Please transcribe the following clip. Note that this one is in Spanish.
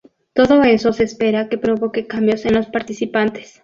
Todo eso se espera que provoque cambios en los participantes.